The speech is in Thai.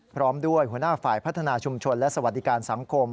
พร้อมด้วยหัวหน้าฝ่ายพัฒนาชุมชนและสวัสดิการสังคม